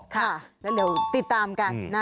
ค่ะแล้วเร็วติดตามกัน